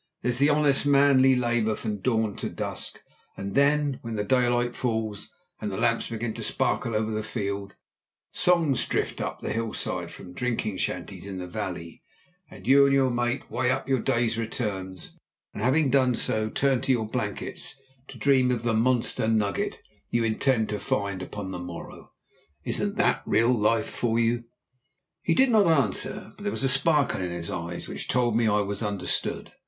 There's the honest, manly labour from dawn to dusk. And then, when daylight fails, and the lamps begin to sparkle over the field, songs drift up the hillside from the drinking shanties in the valley, and you and your mate weigh up your day's returns, and, having done so, turn into your blankets to dream of the monster nugget you intend to find upon the morrow. Isn't that real life for you?" He did not answer, but there was a sparkle in his eyes which told me I was understood.